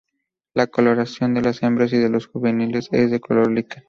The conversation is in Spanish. La coloración de las hembras y de los juveniles es de color liquen.